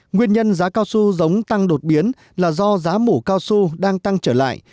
nguyên nhân giá cao su giống tăng đột biến là do giá mủ cao su đang tăng trở lại